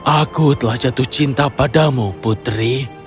aku telah jatuh cinta padamu putri